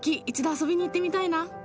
一度遊びに行ってみたいな。